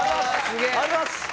ありがとうございます！